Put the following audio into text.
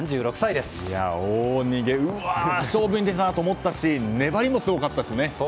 大逃げ、勝負に出たなと思ったし粘りもすごかったですね。